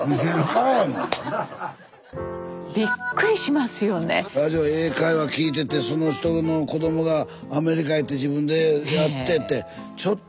ラジオ英会話聞いててその人の子供がアメリカ行って自分でやってってちょっと。